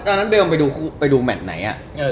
ทางนั้นเบลไปดูแมทไหน